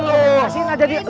kasihin aja dia